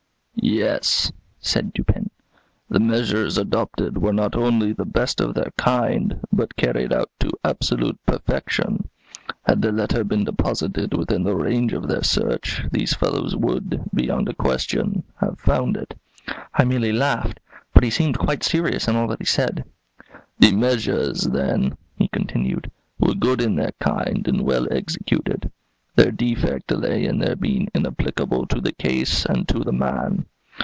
"Yes," said Dupin. "The measures adopted were not only the best of their kind, but carried out to absolute perfection. Had the letter been deposited within the range of their search, these fellows would, beyond a question, have found it." I merely laughed, but he seemed quite serious in all that he said. "The measures, then," he continued, "were good in their kind and well executed; their defect lay in their being inapplicable to the case and to the man.